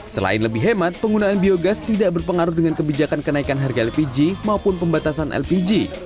selain lebih hemat penggunaan biogas tidak berpengaruh dengan kebijakan kenaikan harga lpg maupun pembatasan lpg